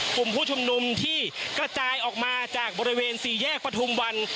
กลุ่มผู้ชุมนุมที่กระจายออกมาจากบริเวณสี่แยกประทุมวัน